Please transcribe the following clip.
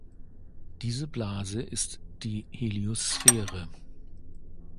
Diese Blase ist die Heliosphäre.